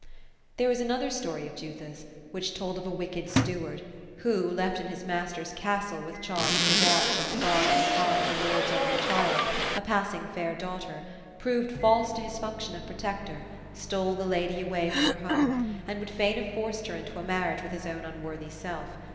There was another story of Jutha's, which told of a wicked steward ; who, — ^left in his master's castle, with charge to watch and guard from harm the lord's only child, a passing fair daughter, — proved false to his function of protector, stole the lady away from her home, and would fain have forced her into a marriage with his own unworthy self.